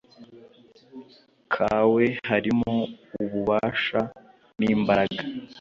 kwawe harimo ububasha n ‘imbaraga .